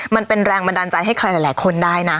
มันเป็นแรงบันดาลใจให้คลายหลายหลายคนได้น่ะ